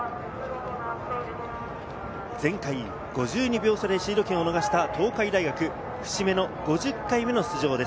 前回５２秒差でシード権を逃した東海大学、節目の５０回の出場です。